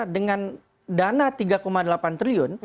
dengan dana rp tiga delapan triliun